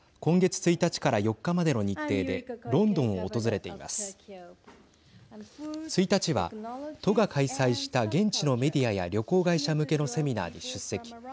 １日は都が開催した現地のメディアや旅行会社向けのセミナーに出席。